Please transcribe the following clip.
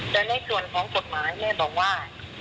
แต่ในส่วนของกฎหมายแม่บอกว่า